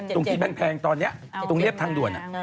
ตรงที่บ้านแพงตอนนี้ตรงเรียบทางด่วน